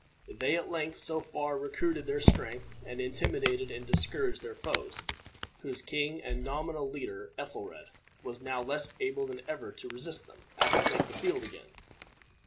They at length so far recruited their strength, and intimidated and discouraged their foes, whose king and nominal leader, Ethelred, was now less able than ever to resist them, as to take the field again.